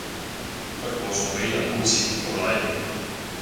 不過送俾人好似唔老嚟